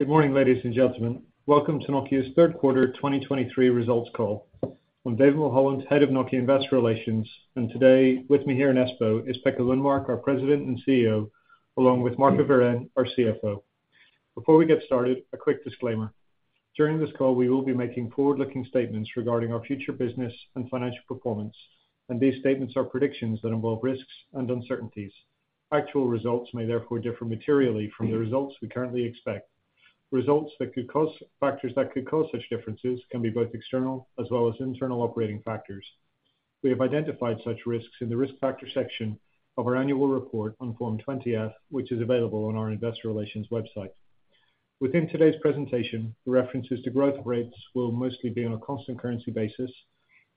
Good morning, ladies and gentlemen. Welcome to Nokia's Third Quarter 2023 Results Call. I'm David Mulholland, Head of Nokia Investor Relations, and today, with me here in Espoo, is Pekka Lundmark, our President and CEO, along with Marco Wirén, our CFO. Before we get started, a quick disclaimer: During this call, we will be making forward-looking statements regarding our future business and financial performance, and these statements are predictions that involve risks and uncertainties. Actual results may therefore differ materially from the results we currently expect. Factors that could cause such differences can be both external as well as internal operating factors. We have identified such risks in the risk factor section of our annual report on Form 20-F, which is available on our investor relations website. Within today's presentation, the references to growth rates will mostly be on a constant currency basis,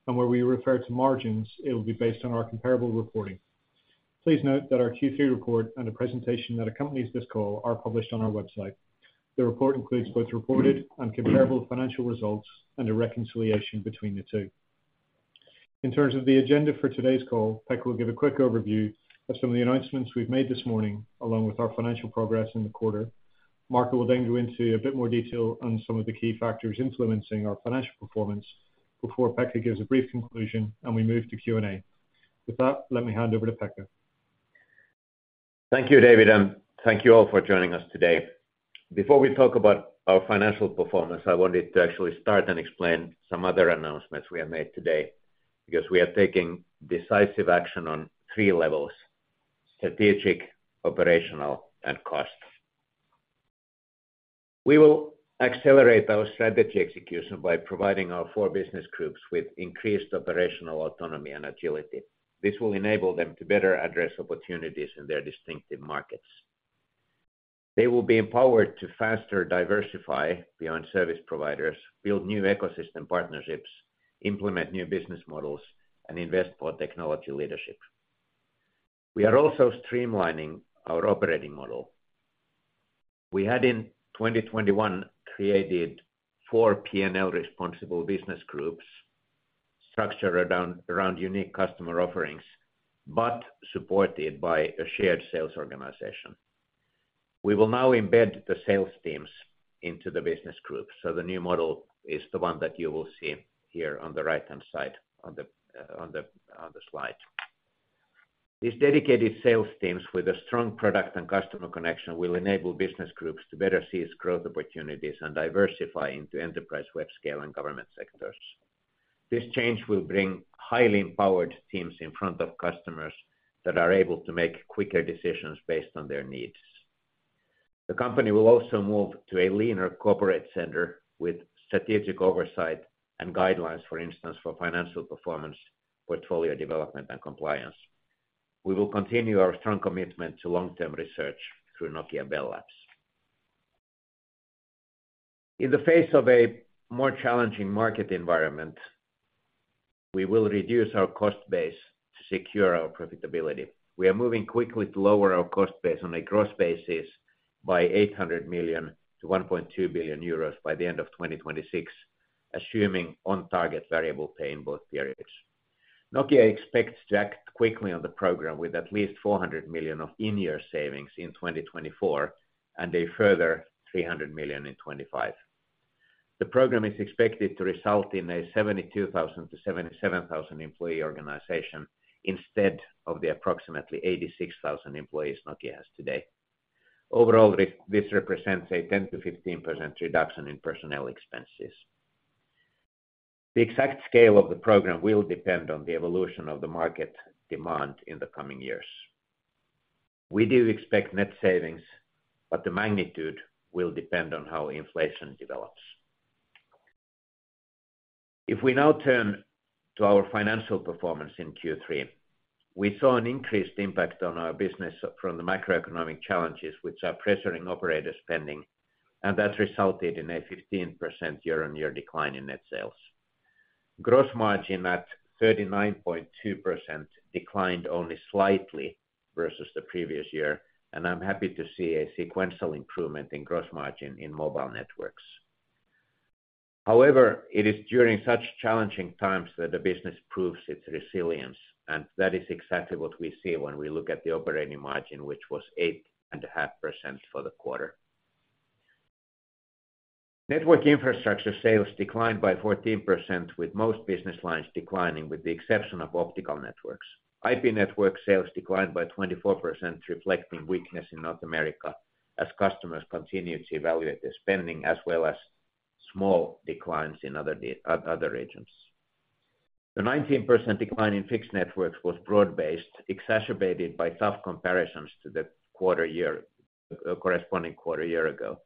and where we refer to margins, it will be based on our comparable reporting. Please note that our Q3 report and the presentation that accompanies this call are published on our website. The report includes both reported and comparable financial results and a reconciliation between the two. In terms of the agenda for today's call, Pekka will give a quick overview of some of the announcements we've made this morning, along with our financial progress in the quarter. Marco will then go into a bit more detail on some of the key factors influencing our financial performance, before Pekka gives a brief conclusion and we move to Q&A. With that, let me hand over to Pekka. Thank you, David, and thank you all for joining us today. Before we talk about our financial performance, I wanted to actually start and explain some other announcements we have made today, because we are taking decisive action on three levels: strategic, operational, and costs. We will accelerate our strategy execution by providing our four business groups with increased operational autonomy and agility. This will enable them to better address opportunities in their distinctive markets. They will be empowered to faster diversify beyond service providers, build new ecosystem partnerships, implement new business models, and invest for technology leadership. We are also streamlining our operating model. We had in 2021 created four P&L responsible business groups, structured around unique customer offerings, but supported by a shared sales organization. We will now embed the sales teams into the business groups, so the new model is the one that you will see here on the right-hand side, on the slide. These dedicated sales teams, with a strong product and customer connection, will enable business groups to better seize growth opportunities and diversify into enterprise, web-scale, and government sectors. This change will bring highly empowered teams in front of customers that are able to make quicker decisions based on their needs. The company will also move to a leaner corporate center with strategic oversight and guidelines, for instance, for financial performance, portfolio development, and compliance. We will continue our strong commitment to long-term research through Nokia Bell Labs. In the face of a more challenging market environment, we will reduce our cost base to secure our profitability. We are moving quickly to lower our cost base on a gross basis by 800 million-1.2 billion euros by the end of 2026, assuming on-target variable pay in both periods. Nokia expects to act quickly on the program with at least 400 million of in-year savings in 2024, and a further 300 million in 2025. The program is expected to result in a 72,000-77,000 employee organization instead of the approximately 86,000 employees Nokia has today. Overall, this represents a 10%-15% reduction in personnel expenses. The exact scale of the program will depend on the evolution of the market demand in the coming years. We do expect net savings, but the magnitude will depend on how inflation develops. If we now turn to our financial performance in Q3, we saw an increased impact on our business from the macroeconomic challenges, which are pressuring operator spending, and that resulted in a 15% year-on-year decline in net sales. Gross margin at 39.2% declined only slightly versus the previous year, and I'm happy to see a sequential improvement in gross margin in Mobile Networks. However, it is during such challenging times that the business proves its resilience, and that is exactly what we see when we look at the operating margin, which was 8.5% for the quarter. Network Infrastructure sales declined by 14%, with most business lines declining, with the exception of Optical Networks. IP Networks sales declined by 24%, reflecting weakness in North America as customers continue to evaluate their spending, as well as small declines in other regions. The 19% decline in Fixed Networks was broad-based, exacerbated by tough comparisons to the corresponding quarter a year ago.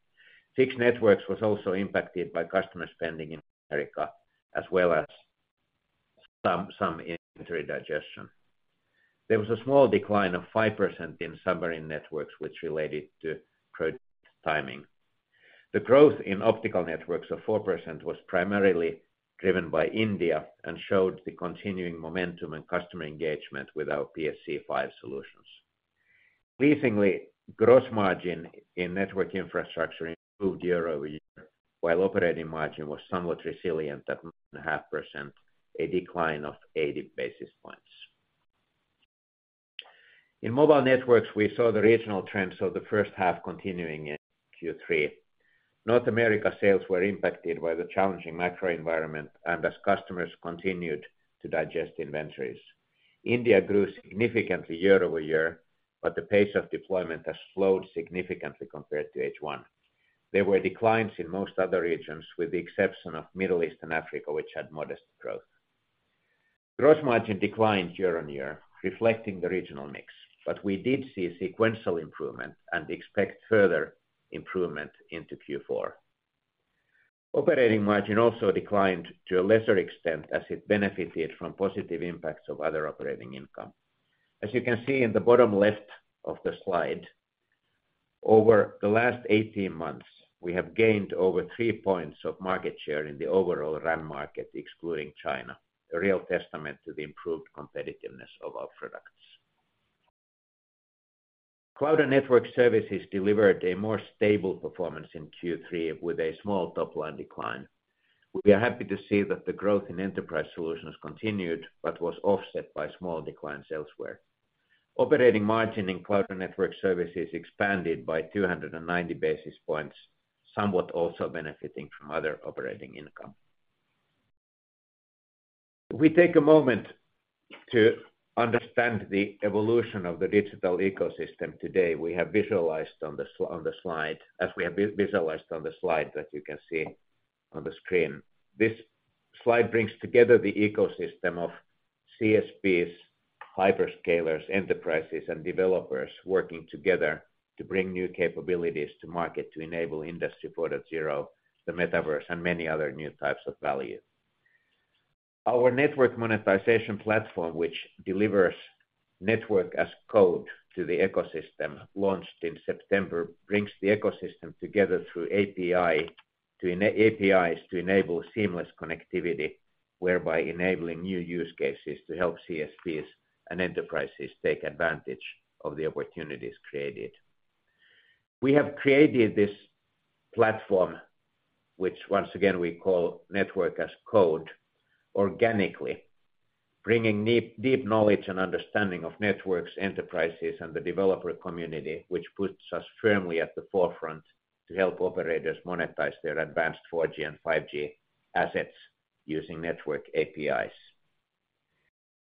Fixed Networks was also impacted by customer spending in America, as well as some inventory digestion. There was a small decline of 5% in Submarine Networks, which related to product timing. The growth in Optical Networks of 4% was primarily driven by India and showed the continuing momentum and customer engagement with our PSE-V solutions. Pleasingly, gross margin in Network Infrastructure improved year-over-year, while operating margin was somewhat resilient at 1.5%, a decline of 80 basis points. In Mobile Networks, we saw the regional trends of the first half continuing in Q3. North America sales were impacted by the challenging macro environment, and as customers continued to digest inventories. India grew significantly year-over-year, but the pace of deployment has slowed significantly compared to H1. There were declines in most other regions, with the exception of Middle East and Africa, which had modest growth. Gross margin declined year-over-year, reflecting the regional mix, but we did see sequential improvement and expect further improvement into Q4. Operating margin also declined to a lesser extent as it benefited from positive impacts of other operating income. As you can see in the bottom left of the slide, over the last 18 months, we have gained over 3 points of market share in the overall RAN market, excluding China, a real testament to the improved competitiveness of our products. Cloud and Network Services delivered a more stable performance in Q3 with a small top-line decline. We are happy to see that the growth in enterprise solutions continued, but was offset by small declines elsewhere. Operating margin in Cloud and Network Services expanded by 290 basis points, somewhat also benefiting from other operating income. We take a moment to understand the evolution of the digital ecosystem today. We have visualized on the slide, as we have visualized on the slide that you can see on the screen. This slide brings together the ecosystem of CSPs, hyperscalers, enterprises, and developers working together to bring new capabilities to market, to enable Industry 4.0, the Metaverse, and many other new types of value. Our network monetization platform, which delivers Network as Code to the ecosystem, launched in September, brings the ecosystem together through APIs to enable seamless connectivity, whereby enabling new use cases to help CSPs and enterprises take advantage of the opportunities created. We have created this platform, which once again, we call Network as Code, organically, bringing deep, deep knowledge and understanding of networks, enterprises, and the developer community, which puts us firmly at the forefront to help operators monetize their advanced 4G and 5G assets using network APIs.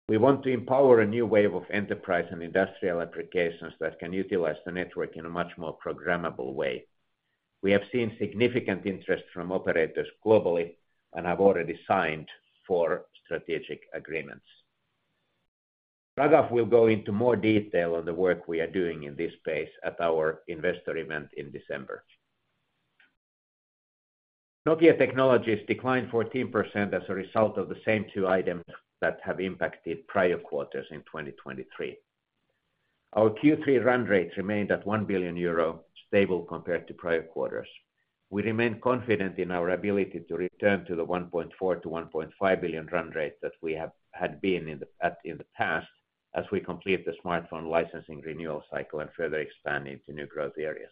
We want to empower a new wave of enterprise and industrial applications that can utilize the network in a much more programmable way. We have seen significant interest from operators globally and have already signed four strategic agreements. Raghav will go into more detail on the work we are doing in this space at our investor event in December. Nokia Technologies declined 14% as a result of the same two items that have impacted prior quarters in 2023. Our Q3 run rates remained at 1 billion euro, stable compared to prior quarters. We remain confident in our ability to return to the 1.4 billion-1.5 billion run rate that we had been in the past, as we complete the smartphone licensing renewal cycle and further expand into new growth areas.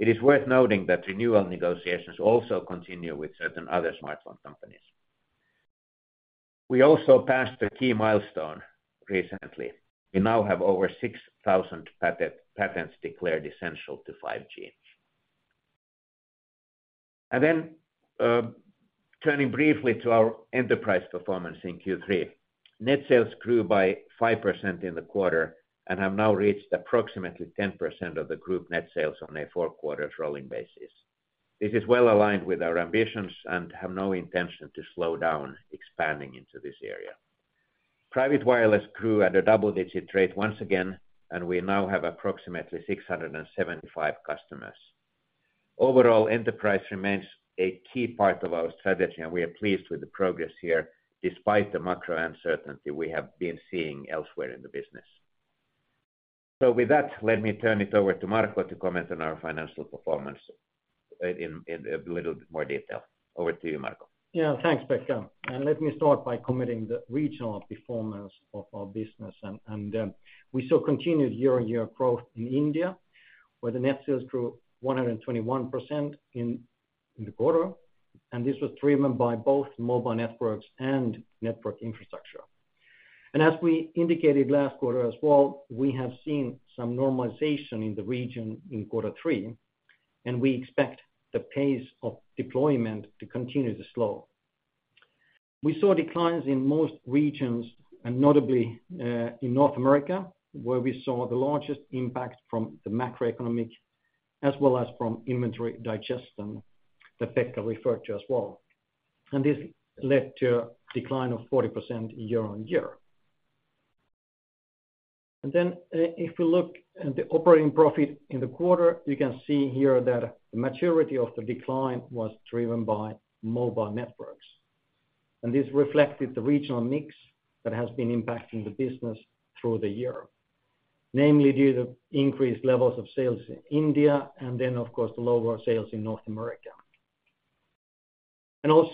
It is worth noting that renewal negotiations also continue with certain other smartphone companies. We also passed a key milestone recently. We now have over 6,000 patents declared essential to 5G. And then, turning briefly to our enterprise performance in Q3. Net sales grew by 5% in the quarter and have now reached approximately 10% of the group net sales on a four-quarters rolling basis. This is well aligned with our ambitions and have no intention to slow down expanding into this area. Private wireless grew at a double-digit rate once again, and we now have approximately 675 customers. Overall, enterprise remains a key part of our strategy, and we are pleased with the progress here, despite the macro uncertainty we have been seeing elsewhere in the business. So with that, let me turn it over to Marco to comment on our financial performance in a little bit more detail. Over to you, Marco. Yeah, thanks, Pekka. And let me start by commenting on the regional performance of our business. And we saw continued year-over-year growth in India, where the net sales grew 121% in the quarter, and this was driven by both Mobile Networks and Network Infrastructure. And as we indicated last quarter as well, we have seen some normalization in the region in quarter three, and we expect the pace of deployment to continue to slow. We saw declines in most regions, and notably in North America, where we saw the largest impact from the macroeconomic, as well as from inventory digestion that Pekka referred to as well, and this led to a decline of 40% year-on-year. If you look at the operating profit in the quarter, you can see here that the magnitude of the decline was driven by Mobile Networks. This reflected the regional mix that has been impacting the business through the year, namely due to increased levels of sales in India, and then, of course, the lower sales in North America.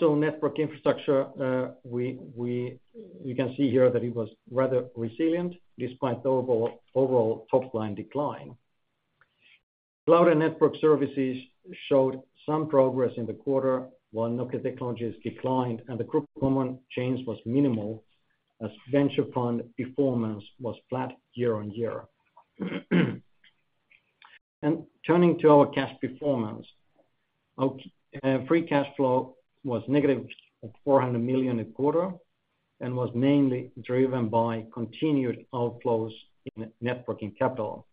Network Infrastructure, we, you can see here that it was rather resilient despite the overall top-line decline. Cloud and Network Services showed some progress in the quarter, while Nokia Technologies declined, and the Group Common change was minimal, as venture fund performance was flat year-on-year. Turning to our cash performance. Our free cash flow was -400 million in the quarter, and was mainly driven by continued outflows in net working capital.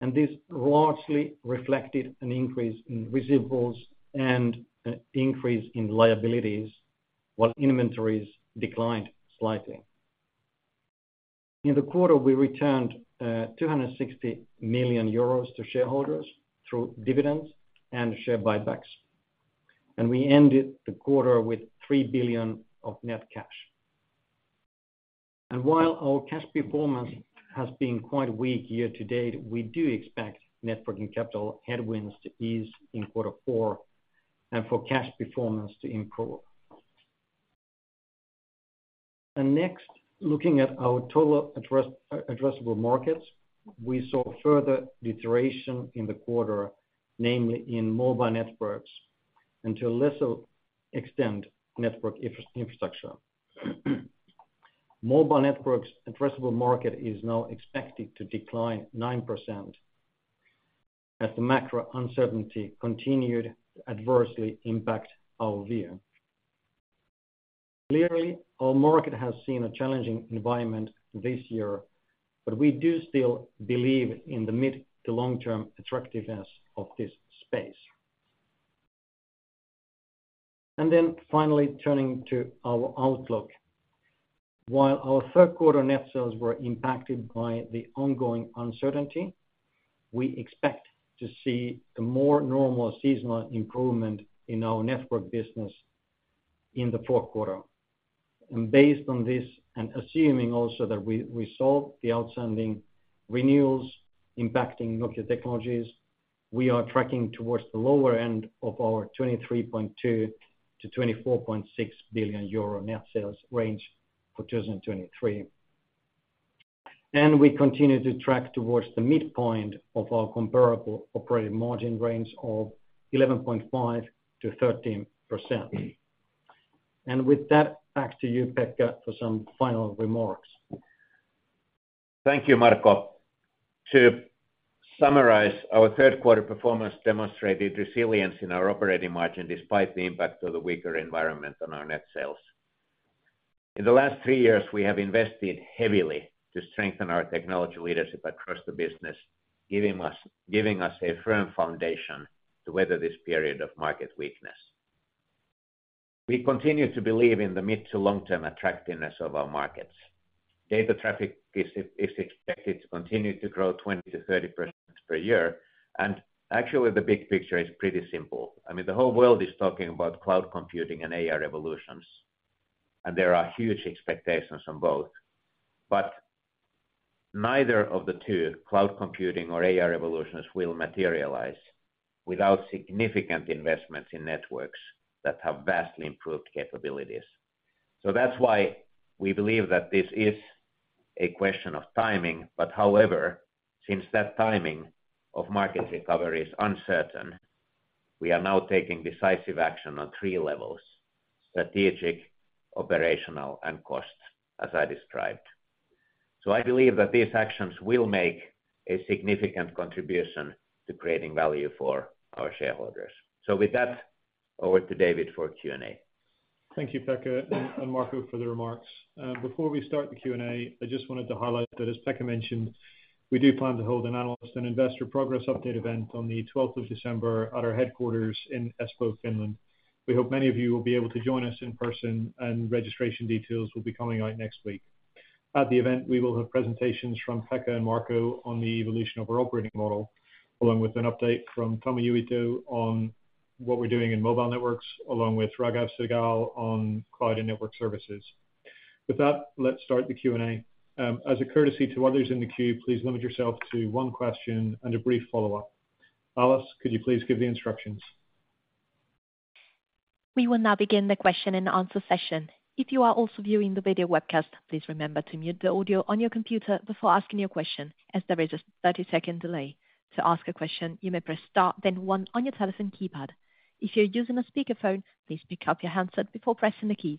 This largely reflected an increase in receivables and an increase in liabilities, while inventories declined slightly. In the quarter, we returned 260 million euros to shareholders through dividends and share buybacks, and we ended the quarter with 3 billion of net cash. While our cash performance has been quite weak year-to-date, we do expect net working capital headwinds to ease in quarter four, and for cash performance to improve. Next, looking at our total addressable markets, we saw further deterioration in the quarter, namely in Mobile Networks, and to a lesser extent, Network Infrastructure. Mobile Networks' addressable market is now expected to decline 9% as the macro uncertainty continued to adversely impact our view. Clearly, our market has seen a challenging environment this year, but we do still believe in the mid- to long-term attractiveness of this space. And then finally, turning to our outlook. While our third quarter net sales were impacted by the ongoing uncertainty, we expect to see a more normal seasonal improvement in our Network business in the fourth quarter. And based on this, and assuming also that we solve the outstanding renewals impacting Nokia Technologies, we are tracking towards the lower end of our 23.2 billion-24.6 billion euro net sales range for 2023. And we continue to track towards the midpoint of our comparable operating margin range of 11.5%-13%. And with that, back to you, Pekka, for some final remarks. Thank you, Marco. To summarize, our third-quarter performance demonstrated resilience in our operating margin, despite the impact of the weaker environment on our net sales. In the last three years, we have invested heavily to strengthen our technology leadership across the business, giving us, giving us a firm foundation to weather this period of market weakness. We continue to believe in the mid to long-term attractiveness of our markets. Data traffic is, is expected to continue to grow 20%-30% per year, and actually the big picture is pretty simple. I mean, the whole world is talking about cloud computing and AI revolutions, and there are huge expectations on both. But neither of the two, cloud computing or AI revolutions, will materialize without significant investments in networks that have vastly improved capabilities. So that's why we believe that this is a question of timing, but however, since that timing of market recovery is uncertain, we are now taking decisive action on three levels: strategic, operational, and cost, as I described. So I believe that these actions will make a significant contribution to creating value for our shareholders. So with that, over to David for Q&A. Thank you, Pekka and, and Marco, for the remarks. Before we start the Q&A, I just wanted to highlight that, as Pekka mentioned, we do plan to hold an analyst and investor progress update event on the 12th of December at our headquarters in Espoo, Finland. We hope many of you will be able to join us in person, and registration details will be coming out next week. At the event, we will have presentations from Pekka and Marco on the evolution of our operating model, along with an update from Tommi Uitto on what we're doing in Mobile Networks, along with Raghav Sahgal on Cloud and Network Services. With that, let's start the Q&A. As a courtesy to others in the queue, please limit yourself to one question and a brief follow-up. Alice, could you please give the instructions? We will now begin the question-and-answer session. If you are also viewing the video webcast, please remember to mute the audio on your computer before asking your question, as there is a 30-second delay. To ask a question, you may press star then one on your telephone keypad. If you're using a speakerphone, please pick up your handset before pressing the keys.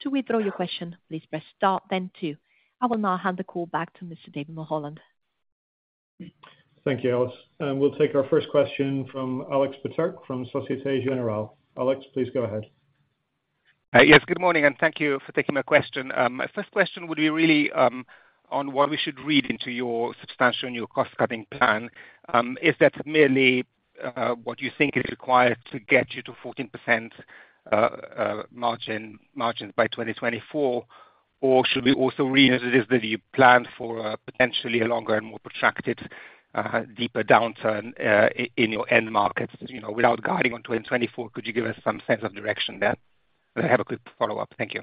To withdraw your question, please press star then two. I will now hand the call back to Mr. David Mulholland. Thank you, Alice, and we'll take our first question from Alex Peterc from Société Générale. Alex, please go ahead. Yes, good morning, and thank you for taking my question. My first question would be really on what we should read into your substantial new cost-cutting plan. Is that merely what you think is required to get you to 14% margins by 2024? Or should we also read it as that you plan for potentially a longer and more protracted deeper downturn in your end markets? You know, without guiding on 2024, could you give us some sense of direction there? I have a quick follow-up. Thank you.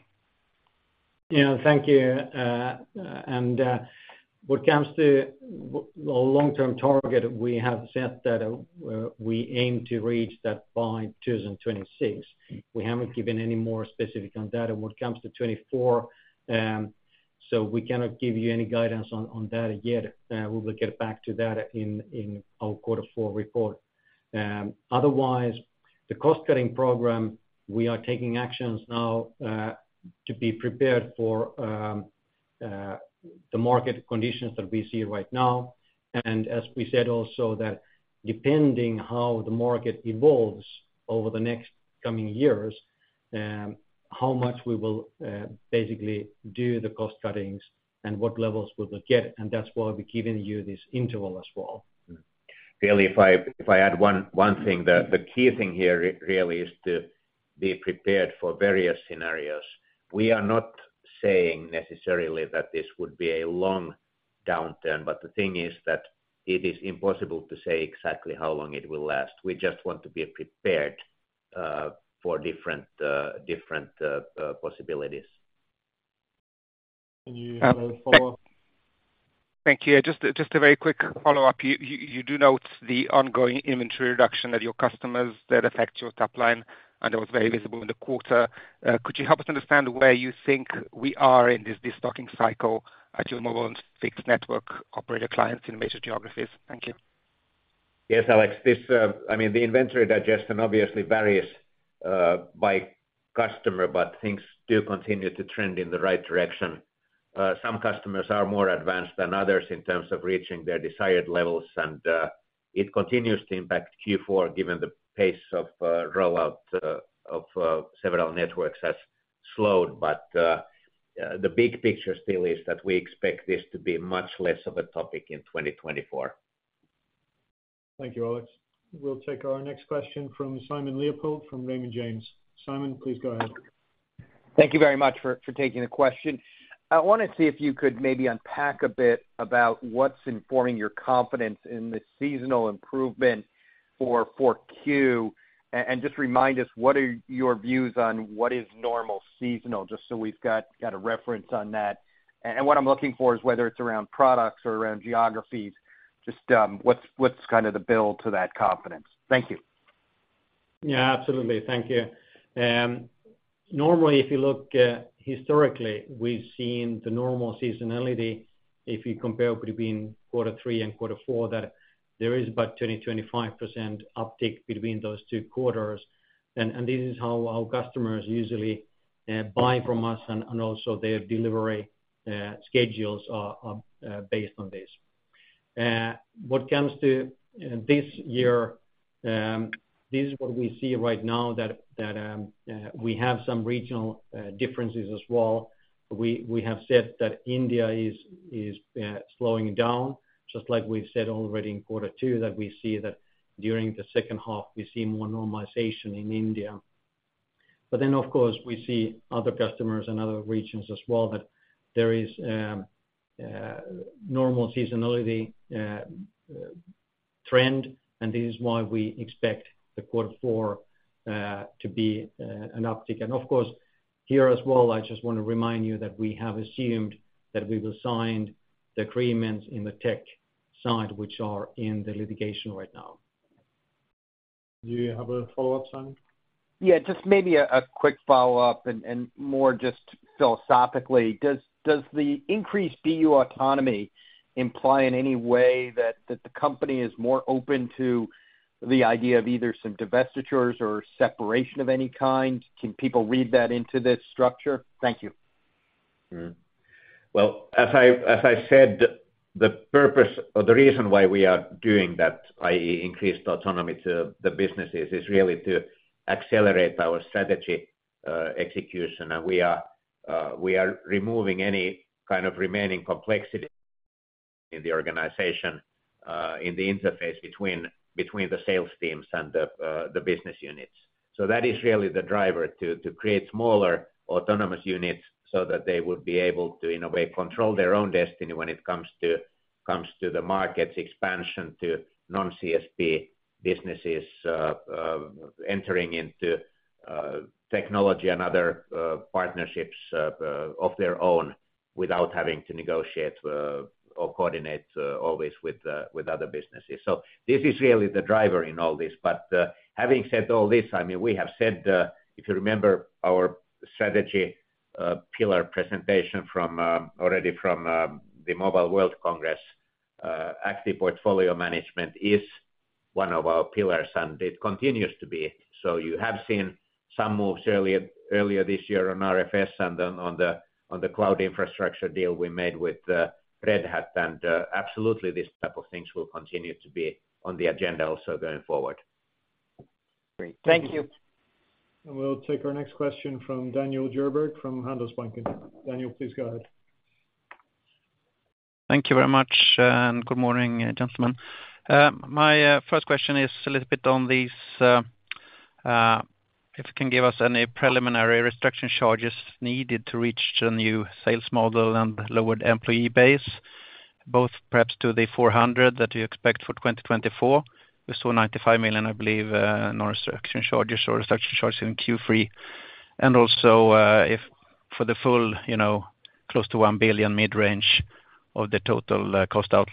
Yeah. Thank you. What comes to our long-term target, we have said that we aim to reach that by 2026. We haven't given any more specific on that. And when it comes to 2024, so we cannot give you any guidance on that yet. We will get back to that in our quarter four report. Otherwise, the cost-cutting program, we are taking actions now to be prepared for the market conditions that we see right now. And as we said also, that depending how the market evolves over the next coming years, how much we will basically do the cost cuttings and what levels we will get, and that's why we're giving you this interval as well. Really, if I add one thing, the key thing here really is to be prepared for various scenarios. We are not saying necessarily that this would be a long downturn, but the thing is that it is impossible to say exactly how long it will last. We just want to be prepared for different possibilities. Do you have a follow-up? Thank you. Just a very quick follow-up. You do note the ongoing inventory reduction at your customers that affect your top line, and it was very visible in the quarter. Could you help us understand where you think we are in this destocking cycle at your mobile and fixed network operator clients in major geographies? Thank you. Yes, Alex, this, I mean, the inventory digestion obviously varies by customer, but things do continue to trend in the right direction. Some customers are more advanced than others in terms of reaching their desired levels, and it continues to impact Q4, given the pace of rollout of several networks has slowed. But the big picture still is that we expect this to be much less of a topic in 2024. Thank you, Alex. We'll take our next question from Simon Leopold, from Raymond James. Simon, please go ahead. Thank you very much for taking the question. I want to see if you could maybe unpack a bit about what's informing your confidence in the seasonal improvement for 4Q and just remind us what your views are on what is normal seasonality, just so we've got a reference on that. And what I'm looking for is whether it's around products or around geographies, just what's kind of the build to that confidence? Thank you. Yeah, absolutely. Thank you. Normally, if you look historically, we've seen the normal seasonality, if you compare between quarter three and quarter four, that there is about 20%-25% uptick between those two quarters. And this is how our customers usually buy from us, and also their delivery schedules are based on this. What comes to this year, this is what we see right now, that we have some regional differences as well. We have said that India is slowing down, just like we've said already in quarter two, that we see that during the second half we see more normalization in India. But then, of course, we see other customers and other regions as well, that there is normal seasonality trend, and this is why we expect the quarter four to be an uptick. And of course, here as well, I just want to remind you that we have assumed that we will sign the agreements in the tech side, which are in the litigation right now. Do you have a follow-up, Simon? Yeah, just maybe a quick follow-up and more just philosophically. Does the increased BU autonomy imply in any way that the company is more open to the idea of either some divestitures or separation of any kind? Can people read that into this structure? Thank you. Hmm. Well, as I said, the purpose or the reason why we are doing that, i.e., increased autonomy to the businesses, is really to accelerate our strategy execution. And we are removing any kind of remaining complexity in the organization, in the interface between the sales teams and the business units. So that is really the driver, to create smaller autonomous units so that they will be able to, in a way, control their own destiny when it comes to the markets expansion, to non-CSP businesses, entering into technology and other partnerships of their own, without having to negotiate or coordinate always with other businesses. So this is really the driver in all this. But, having said all this, I mean, we have said, if you remember our strategy pillar presentation from already from the Mobile World Congress, active portfolio management is one of our pillars, and it continues to be. So you have seen some moves earlier, earlier this year on RFS and on the cloud infrastructure deal we made with Red Hat, and absolutely this type of things will continue to be on the agenda also going forward. Great. Thank you. We'll take our next question from Daniel Djurberg, from Handelsbanken. Daniel, please go ahead. Thank you very much, and good morning, gentlemen. My first question is a little bit on these, if you can give us any preliminary restructuring charges needed to reach the new sales model and lowered employee base, both perhaps to the 400 million that you expect for 2024. We saw 95 million, I believe, no restructuring charges or restructuring charge in Q3. And also, if for the full, you know, close to 1 billion mid-range of the total, cost out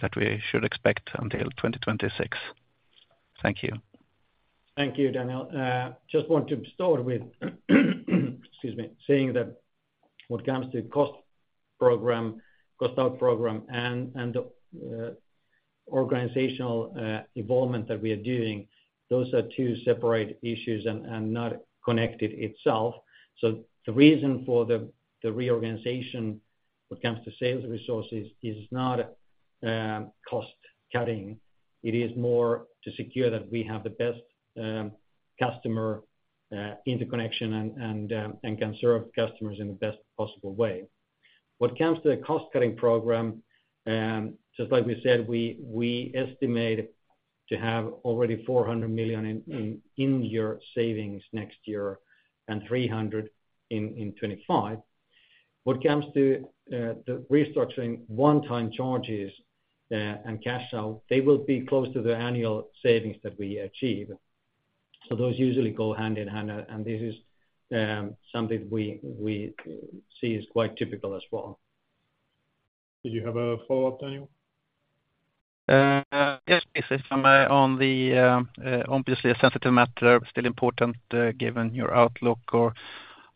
that we should expect until 2026. Thank you. Thank you, Daniel. Just want to start with, excuse me, saying that what comes to cost program, cost out program and organizational involvement that we are doing, those are two separate issues and not connected itself. So the reason for the reorganization when it comes to sales resources is not cost-cutting, it is more to secure that we have the best customer interconnection and can serve customers in the best possible way. What comes to the cost-cutting program, just like we said, we estimate to have already 400 million in-year savings next year and 300 million in 2025. What comes to the restructuring, one-time charges and cash out, they will be close to the annual savings that we achieve. Those usually go hand in hand, and this is something we see is quite typical as well. Did you have a follow-up, Daniel? Yes, this is obviously a sensitive matter, but still important, given your outlook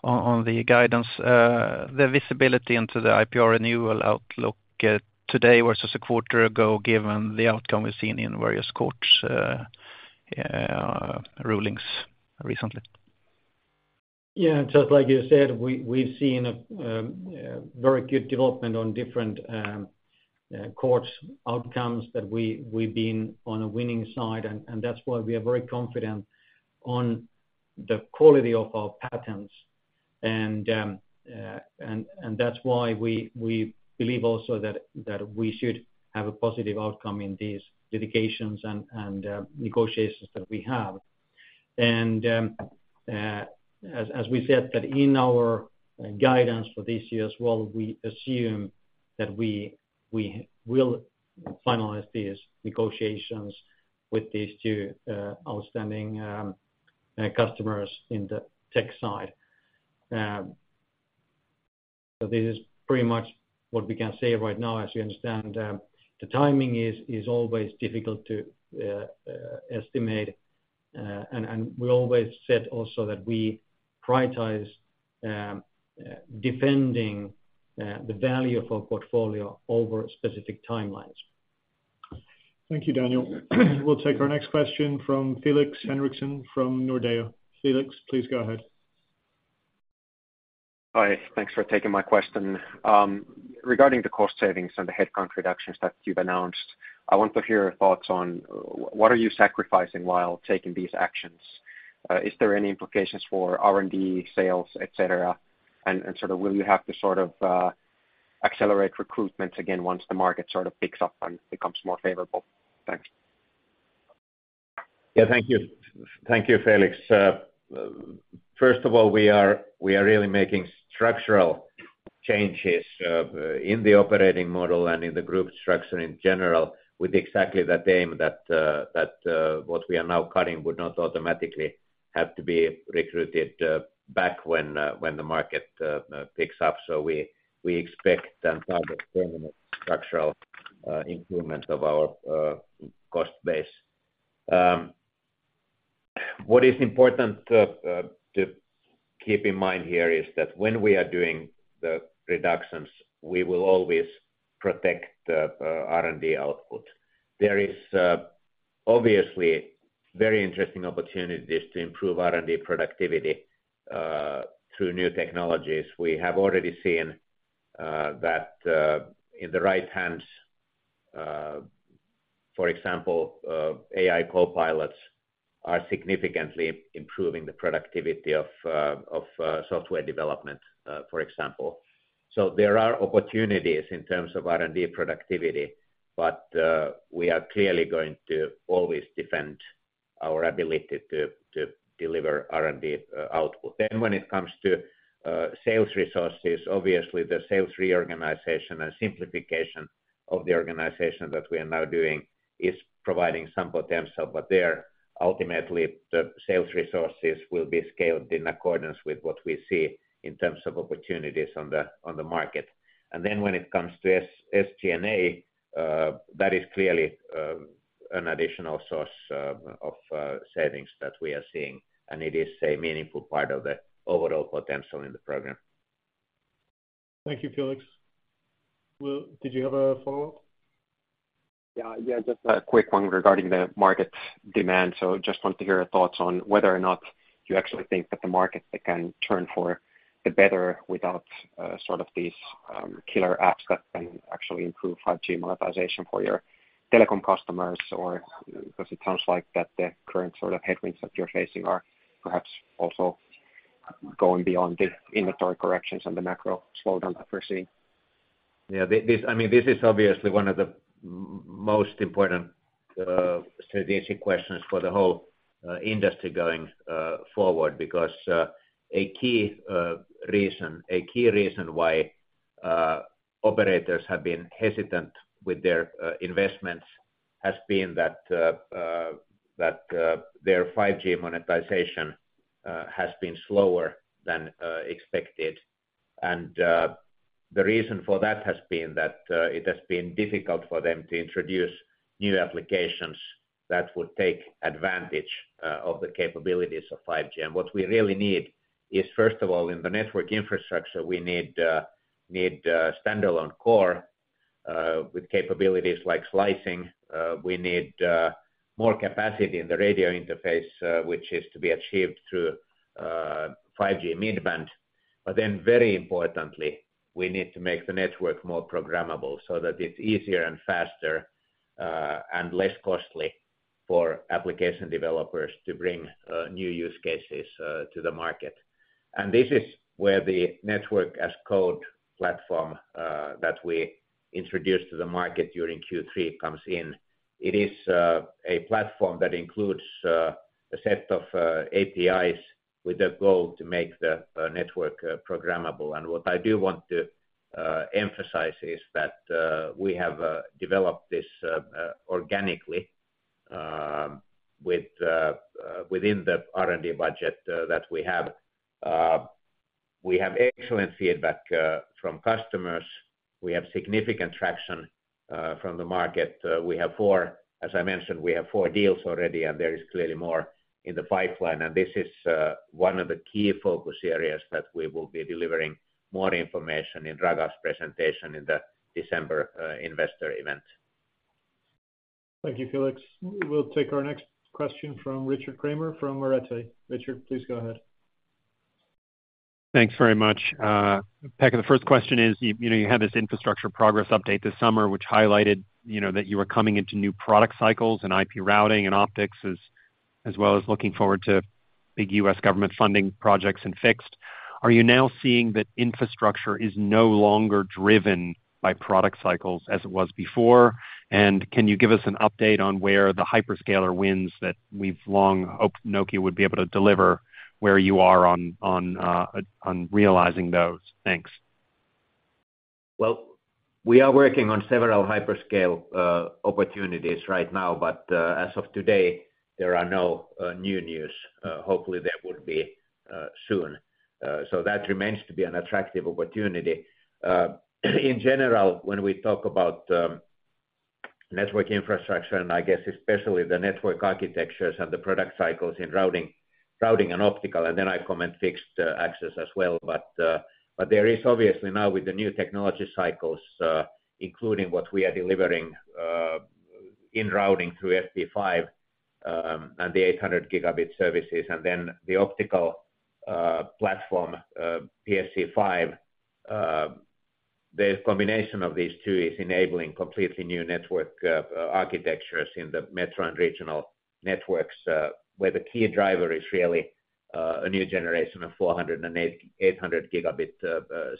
on the guidance, the visibility into the IPR renewal outlook today versus a quarter ago, given the outcome we've seen in various courts, rulings recently. Yeah, just like you said, we've seen a very good development on different courts outcomes that we've been on a winning side, and that's why we are very confident on the quality of our patents. And that's why we believe also that we should have a positive outcome in these litigations and negotiations that we have. And as we said, that in our guidance for this year as well, we assume that we will finalize these negotiations with these two outstanding customers in the tech side. So this is pretty much what we can say right now. As you understand, the timing is always difficult to estimate, and we always said also that we prioritize defending the value of our portfolio over specific timelines. Thank you, Daniel. We'll take our next question from Felix Henriksson, from Nordea. Felix, please go ahead. Hi, thanks for taking my question. Regarding the cost savings and the headcount reductions that you've announced, I want to hear your thoughts on what are you sacrificing while taking these actions? Is there any implications for R&D, sales, etc.? And sort of will you have to sort of accelerate recruitment again once the market sort of picks up and becomes more favorable? Thanks. Yeah, thank you. Thank you, Felix. First of all, we are really making structural changes in the operating model and in the group structure in general, with exactly that aim that what we are now cutting would not automatically have to be recruited back when the market picks up. So we expect some type of permanent structural improvement of our cost base. What is important to keep in mind here is that when we are doing the reductions, we will always protect the R&D output. There is obviously very interesting opportunities to improve R&D productivity through new technologies. We have already seen that in the right hands, for example, AI copilots are significantly improving the productivity of software development, for example. So there are opportunities in terms of R&D productivity, but we are clearly going to always defend our ability to deliver R&D output. Then when it comes to sales resources, obviously, the sales reorganization and simplification of the organization that we are now doing is providing some potential, but ultimately, the sales resources will be scaled in accordance with what we see in terms of opportunities on the market. And then when it comes to SG&A, that is clearly an additional source of savings that we are seeing, and it is a meaningful part of the overall potential in the program. Thank you, Felix. Well, did you have a follow-up? Yeah, yeah, just a quick one regarding the market demand. So just want to hear your thoughts on whether or not you actually think that the market can turn for the better without sort of these killer apps that can actually improve 5G monetization for your telecom customers, or because it sounds like that the current sort of headwinds that you're facing are perhaps also going beyond the inventory corrections and the macro slowdown I foresee. Yeah, this—I mean, this is obviously one of the most important strategic questions for the whole industry going forward, because a key reason why operators have been hesitant with their investments has been that their 5G monetization has been slower than expected. And the reason for that has been that it has been difficult for them to introduce new applications that would take advantage of the capabilities of 5G. And what we really need is, first of all, in the Network Infrastructure, we need a standalone core with capabilities like slicing. We need more capacity in the radio interface, which is to be achieved through 5G midband. But then very importantly, we need to make the network more programmable so that it's easier and faster, and less costly for application developers to bring new use cases to the market. And this is where the Network as Code platform that we introduced to the market during Q3 comes in. It is a platform that includes a set of APIs with the goal to make the network programmable. And what I do want to emphasize is that we have developed this organically within the R&D budget that we have. We have excellent feedback from customers. We have significant traction from the market. As I mentioned, we have four deals already, and there is clearly more in the pipeline. This is one of the key focus areas that we will be delivering more information in Raghav's presentation in the December investor event. Thank you, Felix. We'll take our next question from Richard Kramer from Arete. Richard, please go ahead. Thanks very much. Pekka, the first question is, you know, you had this infrastructure progress update this summer, which highlighted, you know, that you were coming into new product cycles and IP routing and optics, as well as looking forward to big U.S. government funding projects and fixed. Are you now seeing that infrastructure is no longer driven by product cycles as it was before? And can you give us an update on where the hyperscaler wins that we've long hoped Nokia would be able to deliver, where you are on realizing those? Thanks. Well, we are working on several hyperscale opportunities right now, but as of today, there are no new news. Hopefully, there will be soon. So that remains to be an attractive opportunity. In general, when we talk about Network Infrastructure, and I guess especially the network architectures and the product cycles in routing and optical, and then I comment fixed access as well. But there is obviously now with the new technology cycles, including what we are delivering in routing through FP5 and the 800 Gb services, and then the optical platform PSE-V. The combination of these two is enabling completely new network architectures in the metro and regional networks, where the key driver is really a new generation of 400 Gb and 800 Gb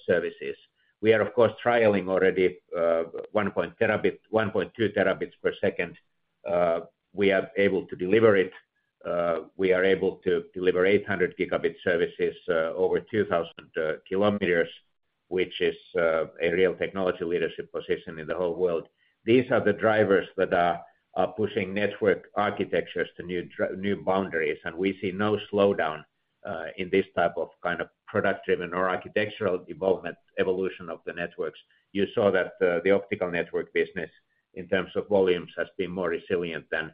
services. We are, of course, trialing already, 1 Tb, 1.2 Tbps. We are able to deliver it. We are able to deliver 800 Gb services, over 2,000 kilometers, which is, a real technology leadership position in the whole world. These are the drivers that are pushing network architectures to new boundaries, and we see no slowdown, in this type of kind of product-driven or architectural development, evolution of the networks. You saw that, the Optical Network business, in terms of volumes, has been more resilient than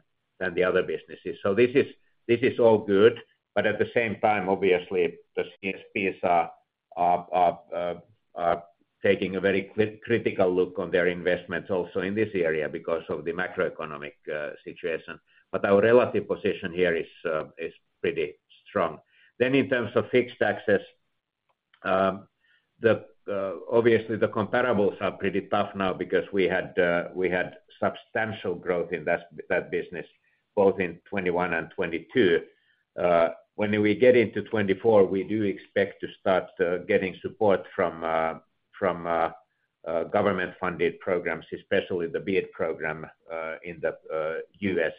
the other businesses. So this is all good, but at the same time, obviously, the CSPs are taking a very critical look on their investments also in this area because of the macroeconomic situation. But our relative position here is pretty strong. Then in terms of fixed access, obviously, the comparables are pretty tough now because we had substantial growth in that business, both in 2021 and 2022. When we get into 2024, we do expect to start getting support from government-funded programs, especially the BEAD program, in the U.S.,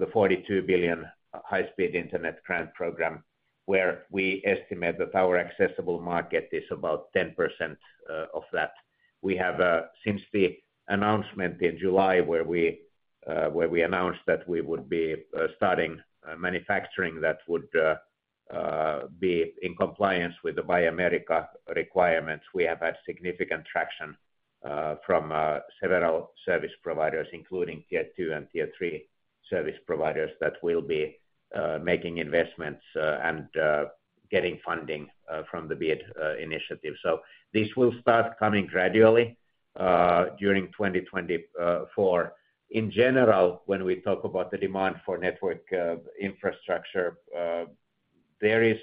the $42 billion high-speed internet grant program, where we estimate that our accessible market is about 10% of that. We have since the announcement in July, where we announced that we would be starting manufacturing that would be in compliance with the Buy America requirements, we have had significant traction from several service providers, including Tier 2 and Tier 3 service providers, that will be making investments and getting funding from the BEAD initiative. So this will start coming gradually during 2024. In general, when we talk about the demand for Network Infrastructure, there is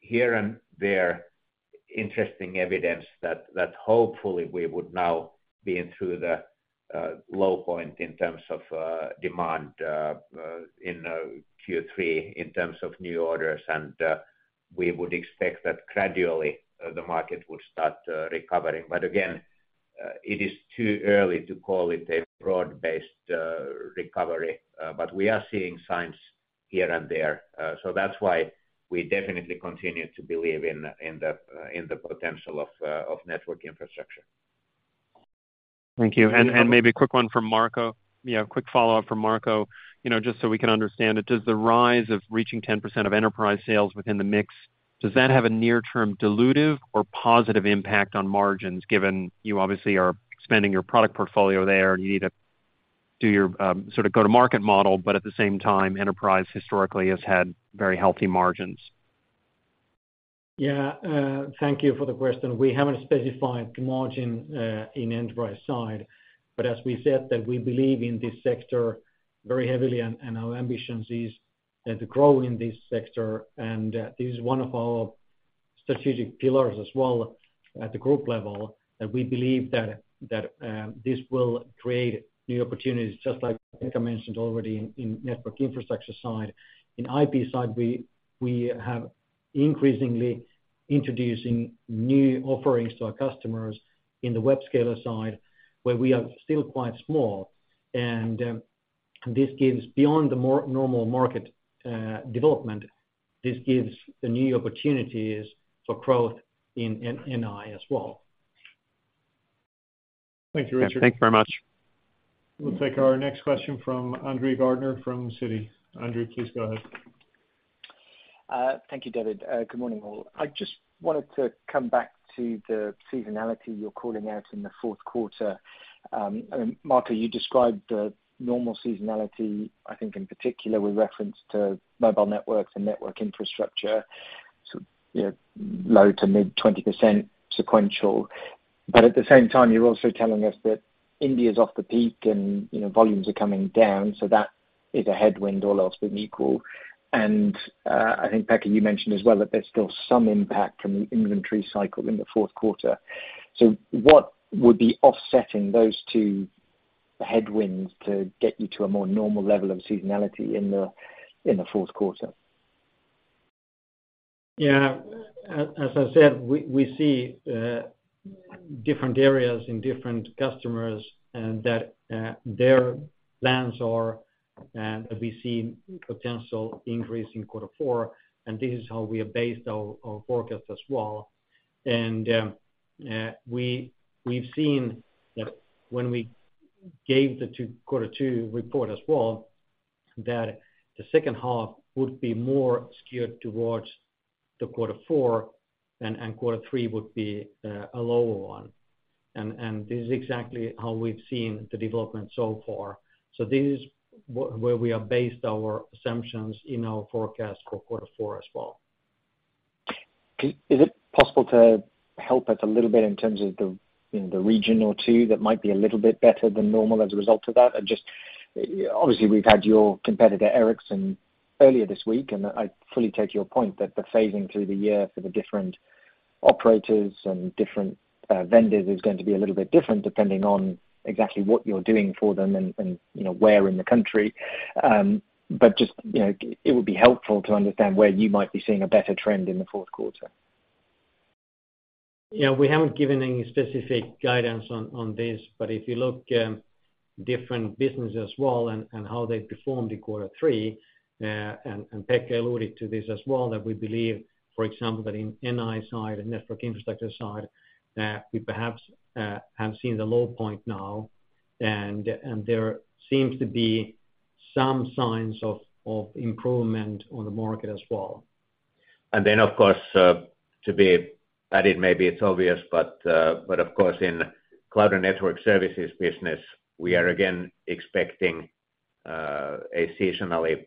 here and there interesting evidence that hopefully we would now be through the low point in terms of demand in Q3 in terms of new orders. And we would expect that gradually the market would start recovering. But again, it is too early to call it a broad-based recovery, but we are seeing signs here and there. So that's why we definitely continue to believe in the potential of Network Infrastructure. Thank you. And maybe a quick one from Marco. Yeah, a quick follow-up from Marco. You know, just so we can understand it, does the rise of reaching 10% of enterprise sales within the mix, does that have a near-term dilutive or positive impact on margins, given you obviously are expanding your product portfolio there, and you need to do your sort of go-to-market model, but at the same time, enterprise historically has had very healthy margins? Yeah, thank you for the question. We haven't specified the margin in enterprise side, but as we said that we believe in this sector very heavily and our ambitions is to grow in this sector. And this is one of our strategic pillars as well at the group level, that we believe that this will create new opportunities, just like I think I mentioned already in Network Infrastructure side. In IP side, we have increasingly introducing new offerings to our customers in the web-scale side, where we are still quite small. And this gives beyond the normal market development, this gives the new opportunities for growth in NI as well. Thank you, Richard. Thanks very much. We'll take our next question from Andrew Gardner from Citi. Andrew, please go ahead. Thank you, David. Good morning, all. I just wanted to come back to the seasonality you're calling out in the fourth quarter. And Marco, you described the normal seasonality, I think, in particular, with reference to Mobile Networks and Network Infrastructure, so, you know, low to mid-20% sequential. But at the same time, you're also telling us that India's off the peak and, you know, volumes are coming down, so that is a headwind, all else being equal. And, I think, Pekka, you mentioned as well that there's still some impact from the inventory cycle in the fourth quarter. So what would be offsetting those two headwinds to get you to a more normal level of seasonality in the fourth quarter? Yeah. As I said, we see different areas and different customers, and that their plans are, we see potential increase in quarter four, and this is how we have based our forecast as well. And we've seen that when we gave the quarter two report as well, that the second half would be more skewed towards quarter four, and quarter three would be a lower one. And this is exactly how we've seen the development so far. So this is where we have based our assumptions in our forecast for quarter four as well. Is it possible to help us a little bit in terms of the, you know, the region or two that might be a little bit better than normal as a result of that? I just, obviously, we've had your competitor, Ericsson, earlier this week, and I fully take your point that the phasing through the year for the different operators and different vendors is going to be a little bit different, depending on exactly what you're doing for them and, and, you know, where in the country. But just, you know, it would be helpful to understand where you might be seeing a better trend in the fourth quarter. Yeah, we haven't given any specific guidance on this, but if you look, different businesses as well and how they performed in quarter three, and Pekka alluded to this as well, that we believe, for example, that in NI side and Network Infrastructure side, we perhaps have seen the low point now. There seems to be some signs of improvement on the market as well. And then, of course, to be added, maybe it's obvious, but of course, in Cloud and Network Services business, we are again expecting a seasonally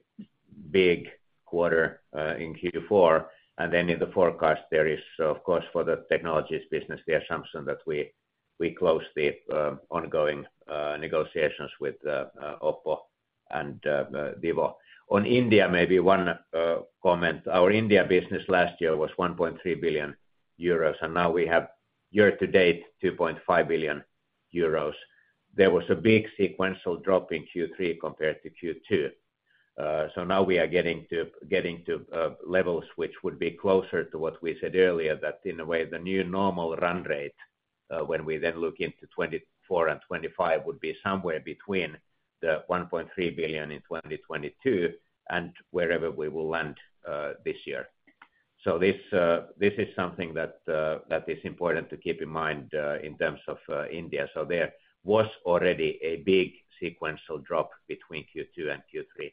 big quarter in Q4. And then in the forecast, there is, of course, for the technologies business, the assumption that we close the ongoing negotiations with OPPO and vivo. On India, maybe one comment. Our India business last year was 1.3 billion euros, and now we have year-to-date, 2.5 billion euros. There was a big sequential drop in Q3 compared to Q2. So now we are getting to levels which would be closer to what we said earlier, that in a way, the new normal run rate, when we then look into 2024 and 2025, would be somewhere between 1.3 billion in 2022 and wherever we will land this year. So this is something that is important to keep in mind, in terms of India. So there was already a big sequential drop between Q2 and Q3.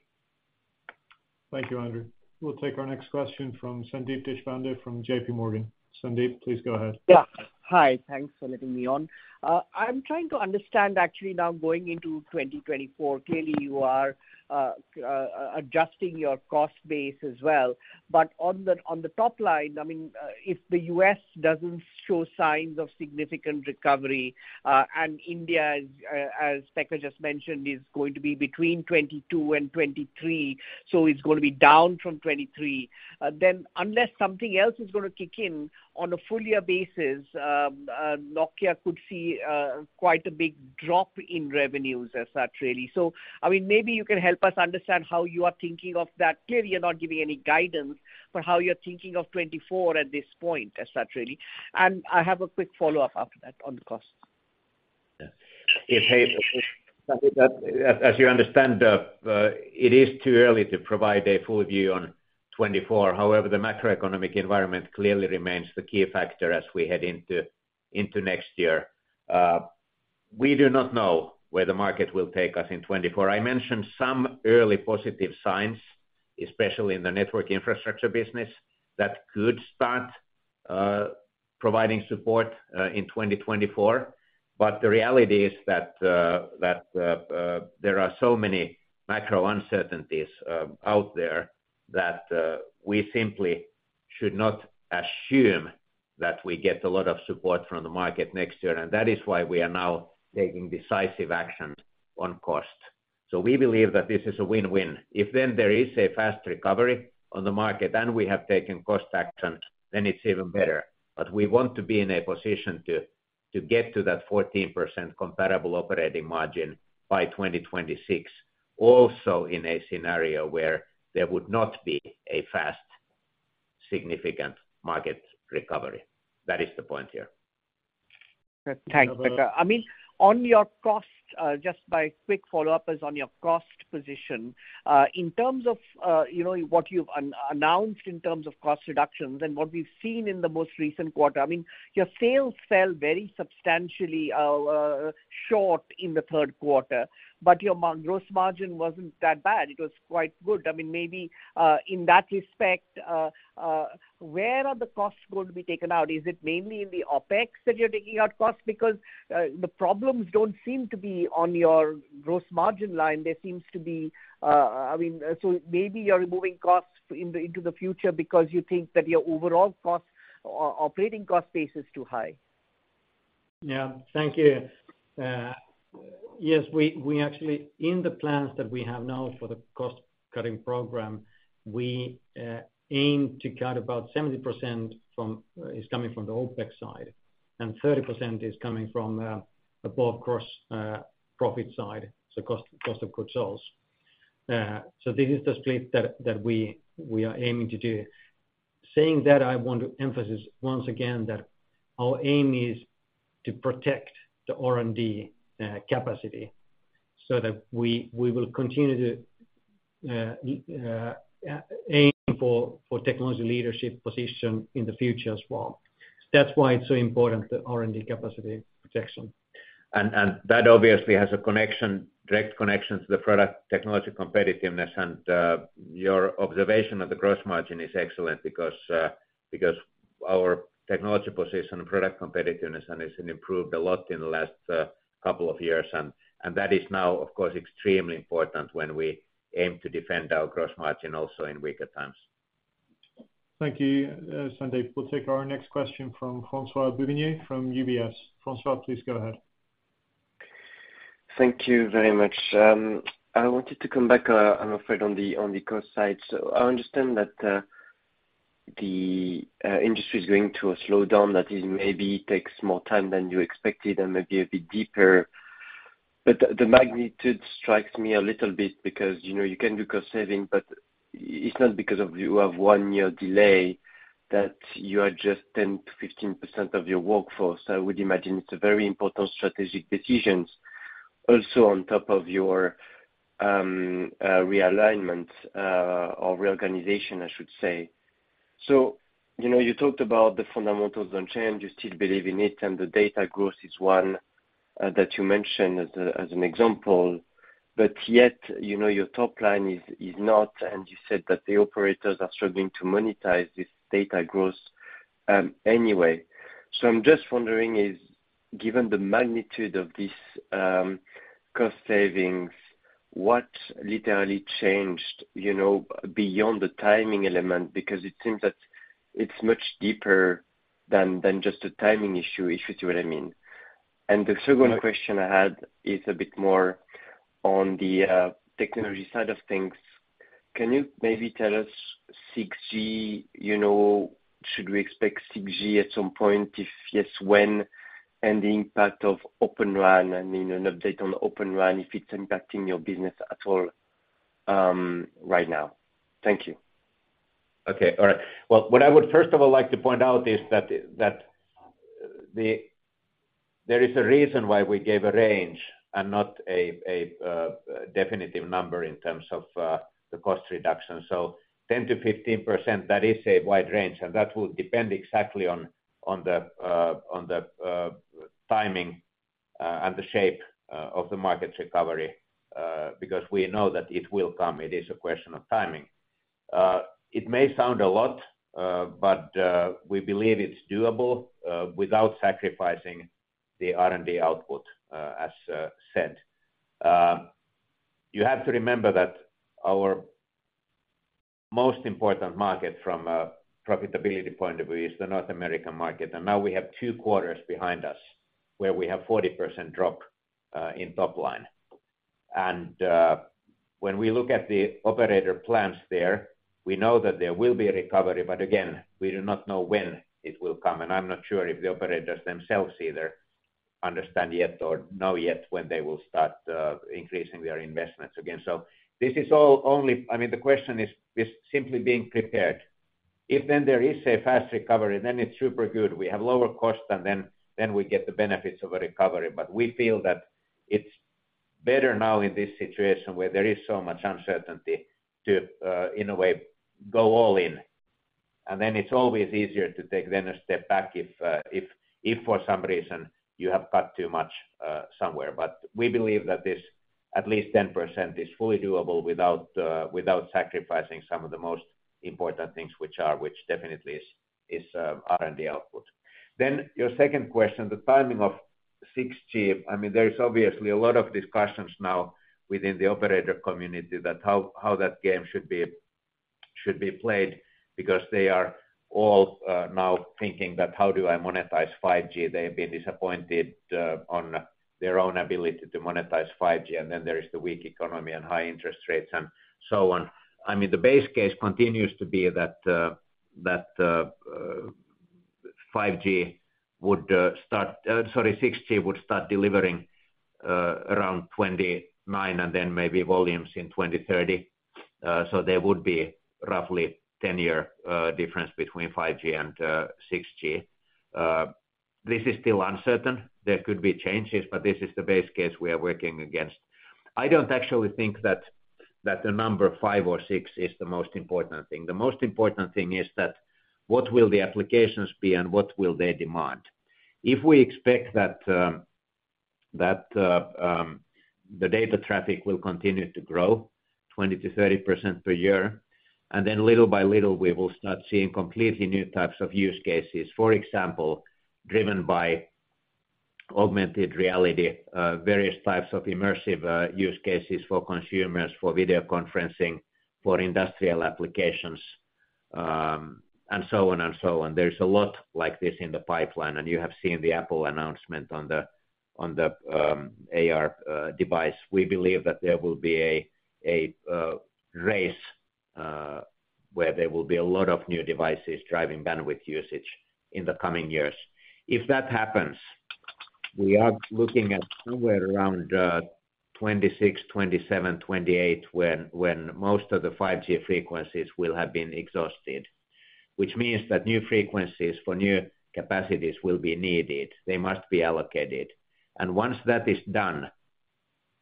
Thank you, Andrew. We'll take our next question from Sandeep Deshpande from JPMorgan. Sandeep, please go ahead. Yeah. Hi, thanks for letting me on. I'm trying to understand actually now going into 2024, clearly you are adjusting your cost base as well. But on the top line, I mean, if the U.S. doesn't show signs of significant recovery, and India, as Pekka just mentioned, is going to be between 2022 and 2023, so it's going to be down from 2023. Then unless something else is going to kick in on a full-year basis, Nokia could see quite a big drop in revenues as such, really. So, I mean, maybe you can help us understand how you are thinking of that. Clearly, you're not giving any guidance, but how you're thinking of 2024 at this point as such, really. And I have a quick follow-up after that on the cost. Yeah. As you understand, it is too early to provide a full view on 2024. However, the macroeconomic environment clearly remains the key factor as we head into next year. We do not know where the market will take us in 2024. I mentioned some early positive signs, especially in the Network Infrastructure business, that could start providing support in 2024. But the reality is that there are so many macro uncertainties out there that we simply should not assume that we get a lot of support from the market next year, and that is why we are now taking decisive action on cost. So we believe that this is a win-win. If then there is a fast recovery on the market, and we have taken cost action, then it's even better. But we want to be in a position to get to that 14% comparable operating margin by 2026, also in a scenario where there would not be a fast, significant market recovery. That is the point here. Thanks, Pekka. I mean, on your cost, just a quick follow-up on your cost position, in terms of, you know, what you've announced in terms of cost reductions and what we've seen in the most recent quarter, I mean, your sales fell very substantially short in the third quarter, but your gross margin wasn't that bad. It was quite good. I mean, maybe, in that respect, where are the costs going to be taken out? Is it mainly in the OpEx that you're taking out costs? Because, the problems don't seem to be on your gross margin line. There seems to be, I mean, so maybe you're removing costs into the future because you think that your overall cost, operating cost base is too high. Yeah. Thank you. Yes, we actually, in the plans that we have now for the cost-cutting program, we aim to cut about 70% from is coming from the OpEx side, and 30% is coming from above gross profit side, so cost, cost of goods sales. So this is the split that we are aiming to do. Saying that, I want to emphasize once again that our aim is to protect the R&D capacity so that we will continue to aim for technology leadership position in the future as well. That's why it's so important, the R&D capacity protection. That obviously has a direct connection to the product technology competitiveness. Your observation of the gross margin is excellent because our technology position and product competitiveness has been improved a lot in the last couple of years. That is now, of course, extremely important when we aim to defend our gross margin also in weaker times. Thank you, Sandeep. We'll take our next question from François Bouvignies from UBS. François, please go ahead. Thank you very much. I wanted to come back, I'm afraid, on the cost side. So I understand that the industry is going through a slowdown, that it maybe takes more time than you expected and maybe a bit deeper. But the magnitude strikes me a little bit because, you know, you can do cost saving, but it's not because of you have one-year delay that you are just 10%-15% of your workforce. I would imagine it's a very important strategic decisions also on top of your realignment, or reorganization, I should say. So, you know, you talked about the fundamentals don't change, you still believe in it, and the data growth is one that you mentioned as an example, but yet, you know, your top line is not, and you said that the operators are struggling to monetize this data growth, anyway. So I'm just wondering, given the magnitude of this cost savings, what literally changed, you know, beyond the timing element? Because it seems that it's much deeper than just a timing issue, if you see what I mean. And the second question I had is a bit more on the technology side of things. Can you maybe tell us 6G, you know, should we expect 6G at some point? If yes, when, and the impact of Open RAN, I mean, an update on Open RAN, if it's impacting your business at all, right now? Thank you. Okay. All right. Well, what I would first of all like to point out is that the, there is a reason why we gave a range and not a definitive number in terms of the cost reduction. So 10%-15%, that is a wide range, and that will depend exactly on the timing and the shape of the market recovery, because we know that it will come. It is a question of timing. It may sound a lot, but we believe it's doable without sacrificing the R&D output, as said. You have to remember that our most important market from a profitability point of view is the North American market, and now we have two quarters behind us, where we have 40% drop in top-line. And, when we look at the operator plans there, we know that there will be a recovery, but again, we do not know when it will come, and I'm not sure if the operators themselves either understand yet or know yet when they will start increasing their investments again. So this is all only, I mean, the question is simply being prepared. If then there is a fast recovery, then it's super good. We have lower cost, and then we get the benefits of a recovery. But we feel that it's better now in this situation where there is so much uncertainty to, in a way, go all in, and then it's always easier to take then a step back if for some reason you have cut too much somewhere. But we believe that this at least 10% is fully doable without, without sacrificing some of the most important things, which are, which definitely is, is, R&D output. Then your second question, the timing of 6G. I mean, there is obviously a lot of discussions now within the operator community that how how that game should be, should be played because they are all, now thinking that: "How do I monetize 5G?" They've been disappointed, on their own ability to monetize 5G, and then there is the weak economy and high interest rates and so on. I mean, the base case continues to be that, that, 5G would, start. Sorry, 6G would start delivering, around 2029, and then maybe volumes in 2030. So there would be roughly 10-year difference between 5G and, 6G. This is still uncertain. There could be changes, but this is the base case we are working against. I don't actually think that the number five or six is the most important thing. The most important thing is that what will the applications be and what will they demand? If we expect that the data traffic will continue to grow 20%-30% per year, and then little by little, we will start seeing completely new types of use cases. For example, driven by augmented reality, various types of immersive use cases for consumers, for video conferencing, for industrial applications, and so on, and so on. There's a lot like this in the pipeline, and you have seen the Apple announcement on the AR device. We believe that there will be a race where there will be a lot of new devices driving bandwidth usage in the coming years. If that happens, we are looking at somewhere around 2026, 2027, 2028, when most of the 5G frequencies will have been exhausted, which means that new frequencies for new capacities will be needed. They must be allocated. And once that is done,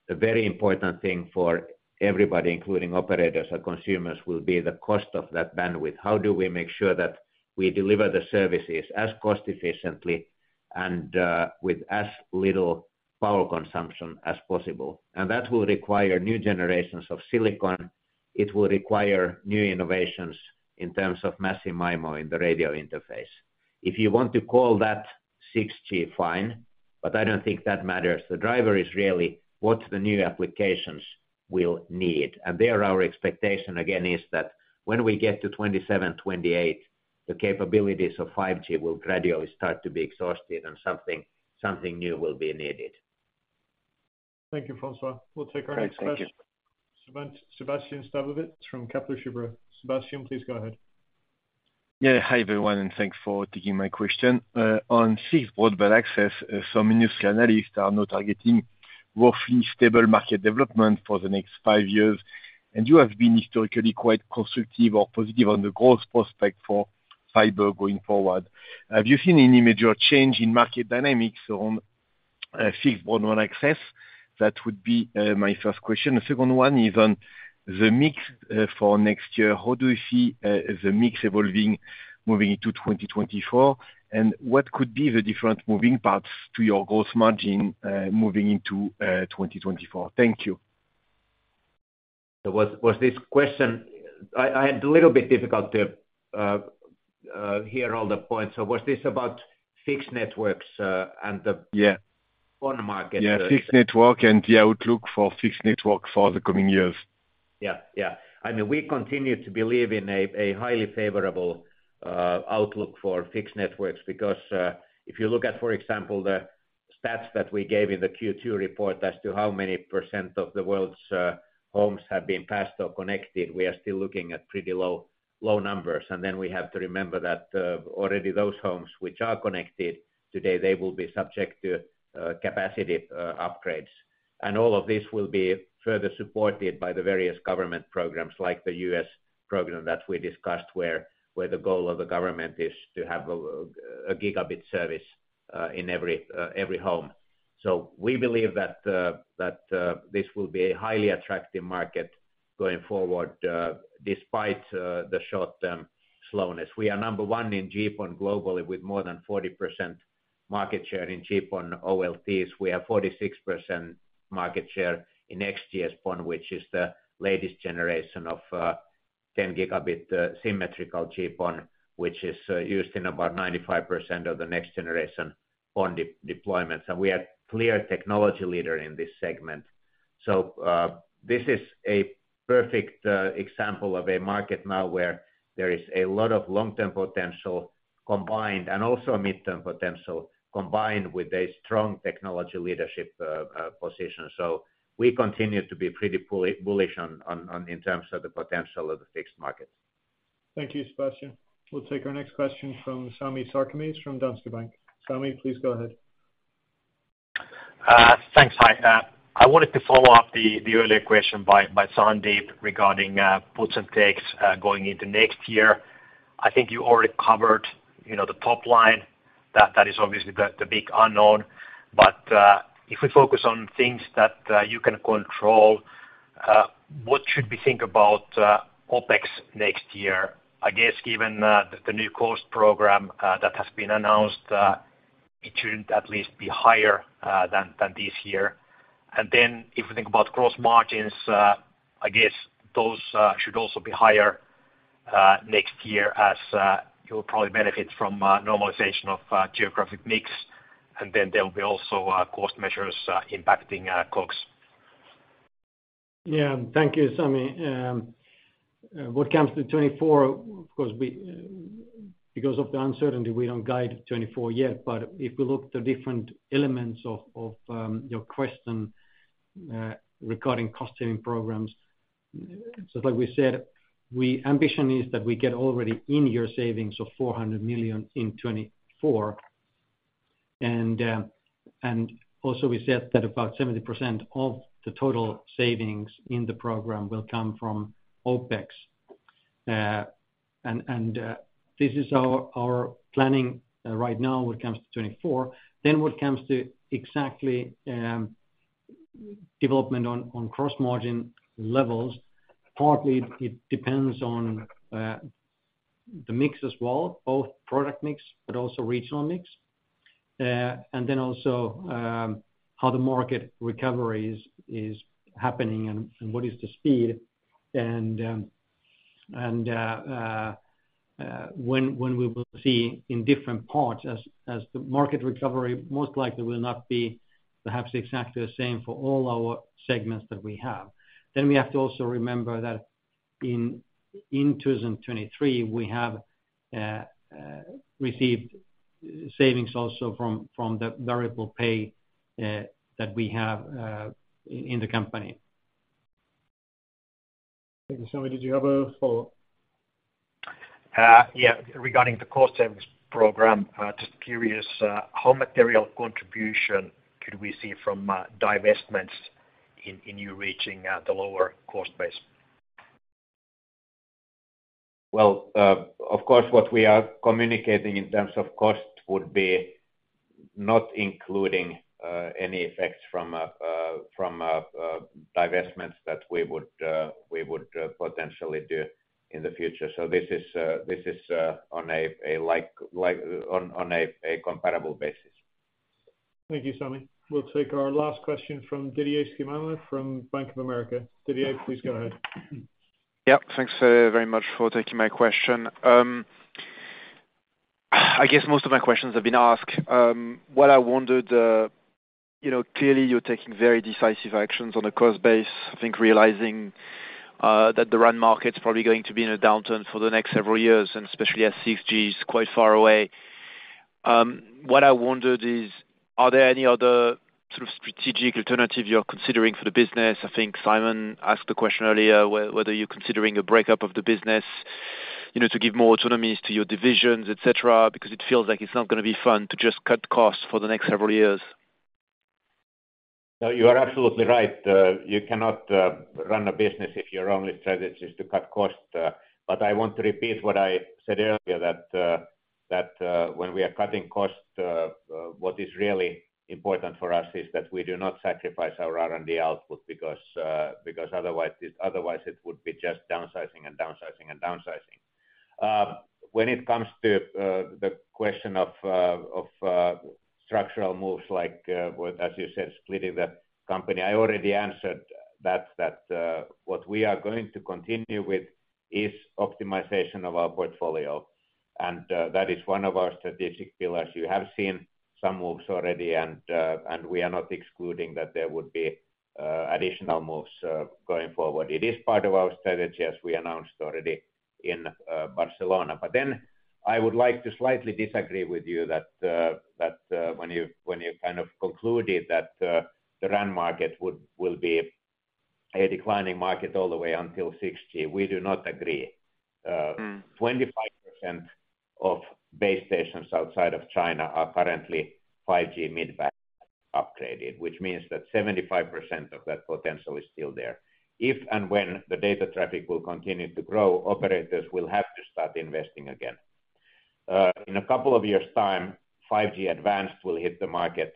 the very important thing for everybody, including operators or consumers, will be the cost of that bandwidth. How do we make sure that we deliver the services as cost-efficiently and with as little power consumption as possible? And that will require new generations of silicon. It will require new innovations in terms of massive MIMO in the radio interface. If you want to call that 6G, fine, but I don't think that matters. The driver is really what the new applications will need, and there, our expectation again, is that when we get to 2027, 2028, the capabilities of 5G will gradually start to be exhausted and something, something new will be needed. Thank you, François. All right. Thank you. We'll take our next question. Sébastien Sztabowicz from Kepler Cheuvreux. Sébastien, please go ahead. Yeah. Hi, everyone, and thanks for taking my question. On fixed broadband access, some industry analysts are now targeting roughly stable market development for the next five years, and you have been historically quite constructive or positive on the growth prospect for fiber going forward. Have you seen any major change in market dynamics on fixed broadband access? That would be my first question. The second one is on the mix for next year. How do you see the mix evolving moving into 2024? And what could be the different moving parts to your gross margin moving into 2024? Thank you. Was this question, I had a little bit difficult to hear all the points. So was this about Fixed Networks, and the- Yeah. On market. Yeah, Fixed Networks, and the outlook for Fixed Networks for the coming years. Yeah, yeah. I mean, we continue to believe in a highly favorable outlook for Fixed Networks because if you look at, for example, the stats that we gave in the Q2 report as to how many % of the world's homes have been passed or connected, we are still looking at pretty low numbers. Then we have to remember that already those homes which are connected today, they will be subject to capacity upgrades. And all of this will be further supported by the various government programs, like the U.S. program that we discussed, where the goal of the government is to have a Gb service in every home. So we believe that this will be a highly attractive market going forward, despite the short-term slowness. We are number one in GPON globally with more than 40% market share in GPON OLTs. We have 46% market share in XGS-PON, which is the latest generation of 10 Gb symmetrical GPON, which is used in about 95% of the next-generation PON deployments, and we are clear technology leader in this segment. So this is a perfect example of a market now where there is a lot of long-term potential combined, and also a midterm potential, combined with a strong technology leadership position. So we continue to be pretty bullish on, in terms of the potential of the fixed market. Thank you, Sébastien. We'll take our next question from Sami Sarkamies, from Danske Bank. Sami, please go ahead. Thanks. I wanted to follow up the earlier question by Sandeep regarding puts and takes going into next year. I think you already covered, you know, the top line. That is obviously the big unknown. But if we focus on things that you can control, what should we think about OpEx next year? I guess, given the new cost program that has been announced, it shouldn't at least be higher than this year. And then if we think about gross margins, I guess those should also be higher next year as you'll probably benefit from normalization of geographic mix, and then there will be also cost measures impacting costs. Yeah. Thank you, Sami. What comes to 2024, of course, we, because of the uncertainty, we don't guide 2024 yet. But if we look at the different elements of your question, regarding cost-saving programs, so like we said, our ambition is that we get already in-year savings of 400 million in 2024. And also we said that about 70% of the total savings in the program will come from OpEx. And this is our planning right now when it comes to 2024. Then what comes to exactly development on gross margin levels, partly it depends on the mix as well, both product mix, but also regional mix. And then also how the market recovery is happening and what is the speed? When we will see in different parts as the market recovery most likely will not be perhaps exactly the same for all our segments that we have. Then we have to also remember that in 2023 we have received savings also from the variable pay that we have in the company. Thank you. Sami, did you have a follow-up? Yeah. Regarding the cost savings program, just curious, how material contribution could we see from divestments in your reaching the lower cost base? Well, of course, what we are communicating in terms of cost would be not including any effects from divestments that we would potentially do in the future. So this is, like, on a comparable basis. Thank you, Sami. We'll take our last question from Didier Scemama from Bank of America. Didier, please go ahead. Yeah. Thanks very much for taking my question. I guess most of my questions have been asked. What I wondered, you know, clearly you're taking very decisive actions on a cost base, I think realizing, that the RAN market's probably going to be in a downturn for the next several years, and especially as 6G is quite far away. What I wondered is, are there any other sort of strategic alternative you're considering for the business? I think Simon asked the question earlier, whether you're considering a breakup of the business, you know, to give more autonomies to your divisions, etc., because it feels like it's not gonna be fun to just cut costs for the next several years. No, you are absolutely right. You cannot run a business if your only strategy is to cut costs. But I want to repeat what I said earlier, that when we are cutting costs, what is really important for us is that we do not sacrifice our R&D output because otherwise it would be just downsizing and downsizing and downsizing. When it comes to the question of structural moves like, as you said, splitting the company, I already answered that, what we are going to continue with is optimization of our portfolio, and that is one of our strategic pillars. You have seen some moves already, and we are not excluding that there would be additional moves going forward. It is part of our strategy, as we announced already in Barcelona. But then I would like to slightly disagree with you that, that, when you, when you kind of concluded that, the RAN market would will be a declining market all the way until 6G. We do not agree. 25% of base stations outside of China are currently 5G mid-band upgraded, which means that 75% of that potential is still there. If and when the data traffic will continue to grow, operators will have to start investing again. In a couple of years' time, 5G-Advanced will hit the market,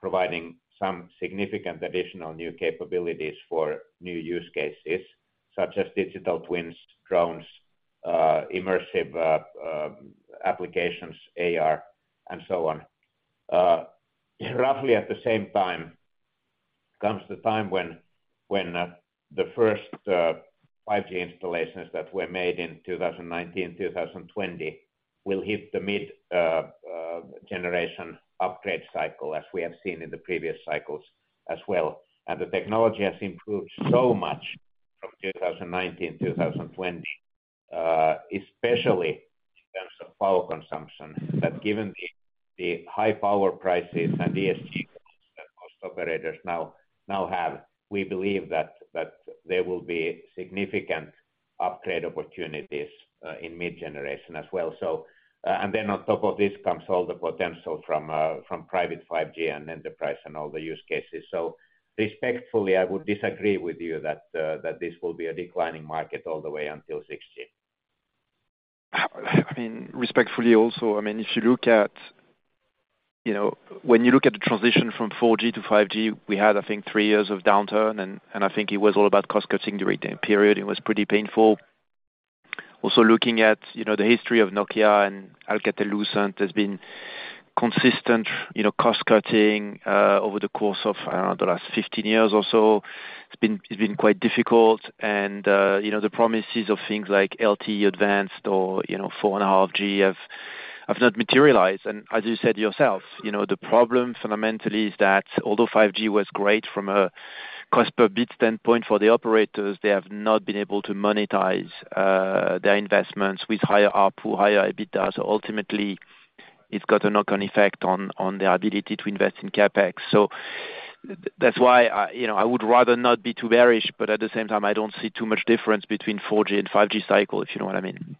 providing some significant additional new capabilities for new use cases, such as digital twins, drones, immersive applications, AR, and so on. Roughly at the same time, comes the time when the first 5G installations that were made in 2019, 2020, will hit the mid-generation upgrade cycle, as we have seen in the previous cycles as well. The technology has improved so much from 2019, 2020, especially in terms of power consumption. That, given the high power prices and ESG that most operators now have, we believe that there will be significant upgrade opportunities in mid-generation as well. So, and then on top of this comes all the potential from private 5G and enterprise and all the use cases. So respectfully, I would disagree with you that this will be a declining market all the way until 6G. I mean, respectfully also, I mean, if you look at, you know, when you look at the transition from 4G to 5G, we had, I think, three years of downturn, and I think it was all about cost-cutting during the period. It was pretty painful. Also, looking at, you know, the history of Nokia and Alcatel-Lucent has been consistent, you know, cost-cutting over the course of the last 15 years or so. It's been quite difficult and, you know, the promises of things like LTE-Advanced or, you know, 4.5G have not materialized. And as you said yourself, you know, the problem fundamentally is that although 5G was great from a cost per bit standpoint for the operators, they have not been able to monetize their investments with higher ARPU, higher EBITDA. So ultimately, it's got a knock-on effect on their ability to invest in CapEx. So that's why I, you know, I would rather not be too bearish, but at the same time, I don't see too much difference between 4G and 5G cycle, if you know what I mean.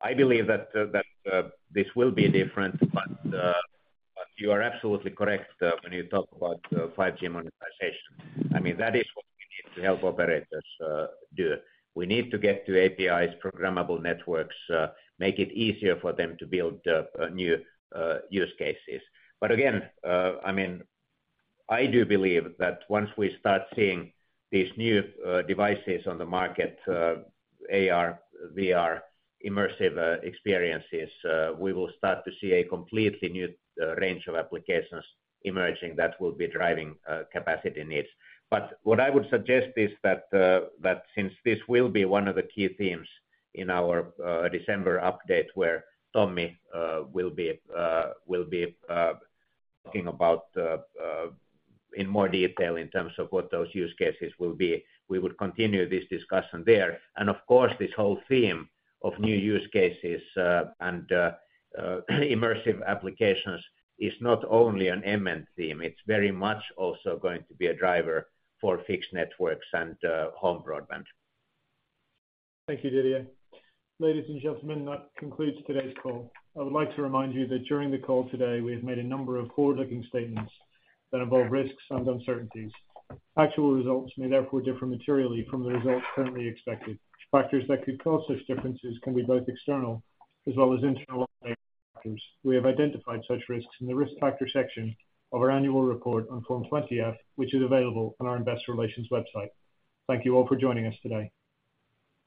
I believe that, that, this will be different, but, but you are absolutely correct, when you talk about, 5G monetization. I mean, that is what we need to help operators, do. We need to get to APIs, programmable networks, make it easier for them to build, new, use cases. But again, I mean, I do believe that once we start seeing these new, devices on the market, AR, VR, immersive experiences, we will start to see a completely new, range of applications emerging that will be driving, capacity needs. But what I would suggest is that since this will be one of the key themes in our December update, where Tommi will be talking about in more detail in terms of what those use cases will be, we would continue this discussion there. And of course, this whole theme of new use cases and immersive applications is not only an MN theme, it's very much also going to be a driver for Fixed Networks and home broadband. Thank you, Didier. Ladies and gentlemen, that concludes today's call. I would like to remind you that during the call today, we have made a number of forward-looking statements that involve risks and uncertainties. Actual results may therefore differ materially from the results currently expected. Factors that could cause such differences can be both external as well as internal factors. We have identified such risks in the risk factor section of our annual report on Form 20-F, which is available on our investor relations website. Thank you all for joining us today.